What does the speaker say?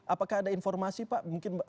apakah ada informasi pak